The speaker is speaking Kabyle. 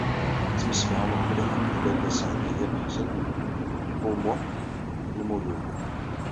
Tettemsefhameḍ mliḥ akked Lalla Seɛdiya n Ḥsen u Muḥ Lmlud.